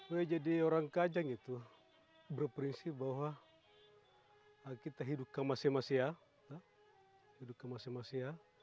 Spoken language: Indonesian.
menjadi orang kajang itu berprinsip bahwa kita hidupkan masyarakat